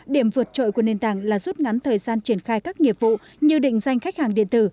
điểm vượt trội của nền tảng là rút ngắn thời gian triển khai các nghiệp vụ như định danh khách hàng điện tử